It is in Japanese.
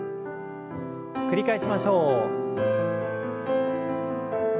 繰り返しましょう。